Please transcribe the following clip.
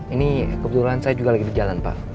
ini kebetulan saya juga lagi di jalan pak